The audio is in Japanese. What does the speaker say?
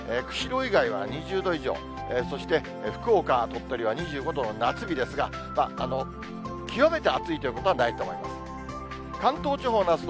釧路以外は２０度以上、そして福岡、鳥取は２５度の夏日ですが、極めて暑いということはないと思います。